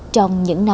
trong những năm